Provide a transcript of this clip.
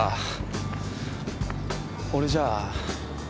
俺じゃあ。